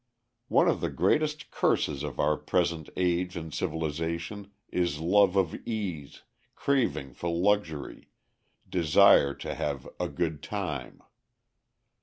One of the greatest curses of our present age and civilization is love of ease, craving for luxury, desire to "have a good time."